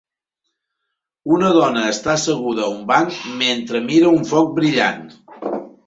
Una dona està asseguda a un banc mentre mira un foc brillant.